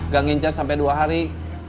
gak ngincar sampai dua hari